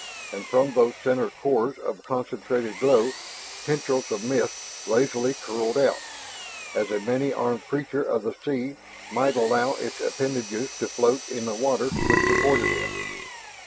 And from those center cores of concentrated glow, tendrils of mist lazily curled out, as a many armed creature of the sea might allow its appendages to float in the water which supported it.